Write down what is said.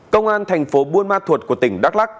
công an thành phố buôn ma thuột của tỉnh đắk lắc